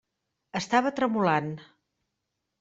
Estava tremolant.